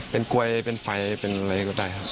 เป็นกลวยเป็นไฟเป็นอะไรก็ได้ครับ